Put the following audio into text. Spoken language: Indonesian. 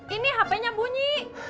ini hp nya bunyi